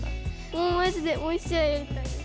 もうマジでもう１試合やりたいです。